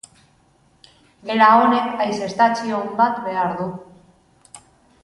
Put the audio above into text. Gela honek haizeztatze on bat behar du.